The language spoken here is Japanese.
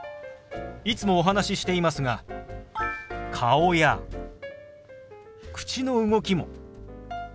いつもお話ししていますが顔や口の動きも手話の一部ですよ。